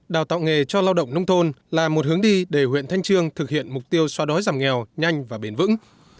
đào tạo nghề cho lao động nông thôn là một hướng đi để huyện thanh trương thực hiện mục tiêu xóa đói giảm nghèo nhanh và bền vững